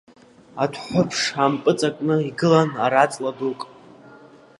Адәҳәыԥш ампыҵакны игылан ара-ҵла дук.